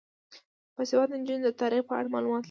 باسواده نجونې د تاریخ په اړه معلومات لري.